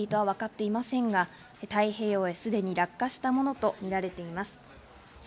こちらの詳しい時間ははっきりとわかっていませんが、太平洋へすでに落下したものとみられています。